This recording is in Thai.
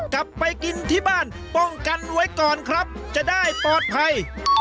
กลับไปกินที่บ้านป้องกันไว้ก่อนครับจะได้ปลอดภัย